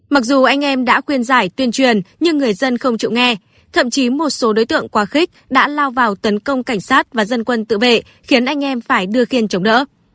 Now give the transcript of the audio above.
mặc dù anh em đã khuyên giải tuyên truyền nhưng người dân không chịu nghe thậm chí một số đối tượng quá khích đã lao vào tấn công cảnh sát và dân quân tự vệ khiến anh em phải đưa khiên chống đỡ